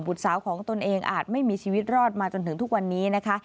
สาวของตนเองอาจไม่มีชีวิตรอดมาจนถึงทุกวันนี้นะคะ